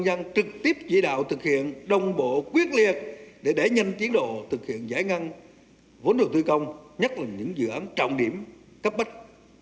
đầu tư công nhất là những dự án trọng điểm cấp bách